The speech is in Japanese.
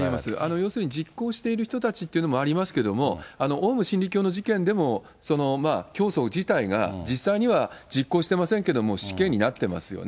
要するに実行している人たちというのもありますけど、オウム真理教の事件でも、教祖自体が実際には実行してませんけども、死刑になってますよね。